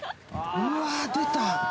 うわー、出た。